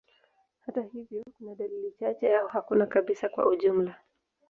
Hata hivyo, kuna dalili chache au hakuna kabisa kwa ujumla.